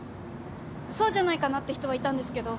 そうじゃないかなって人はいたんですけど。